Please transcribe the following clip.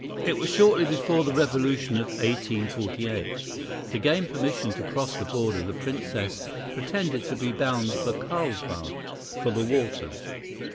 It was shortly before the revolution of 1848. To gain permission to cross the border, the Princess pretended to be bound for Carlsbad, for the waters.